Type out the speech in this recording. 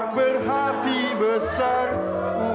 mungkin kalau aku hidup lama firedin balik